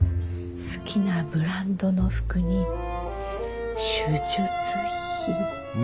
好きなブランドの服に手術費。